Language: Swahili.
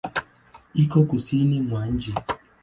Iko Kusini mwa nchi.